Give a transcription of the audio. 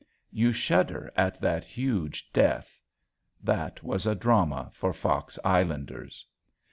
You shudder at that huge death. That was a drama for Fox Islanders.